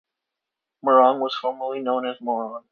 Morong was formerly known as "Moron".